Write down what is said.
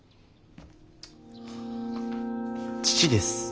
父です。